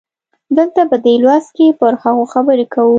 دلته په دې لوست کې پر هغو خبرې کوو.